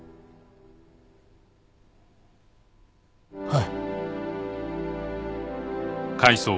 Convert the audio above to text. はい。